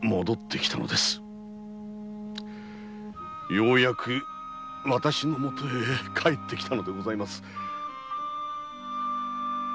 ようやくわたしのもとへ帰ってきたのでございます。